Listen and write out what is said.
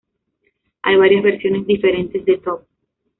Hay varias versiones diferentes de Top.